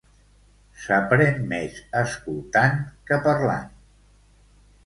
S'aprèn més escoltant que parlant.